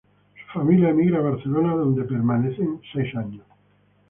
Su familia emigra a Barcelona, donde permanecen seis años.